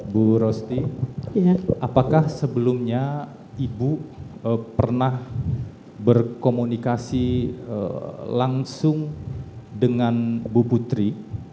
bu rosti apakah sebelumnya ibu pernah berkomunikasi langsung dengan bu putri